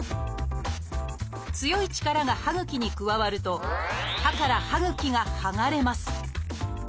強い力が歯ぐきに加わると歯から歯ぐきが剥がれます。